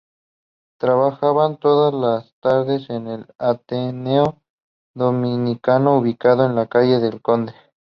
Trabajaban todas las tardes en el Ateneo Dominicano, ubicado en la calle El Conde.